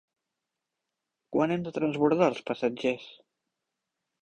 Quan hem de transbordar els passatgers?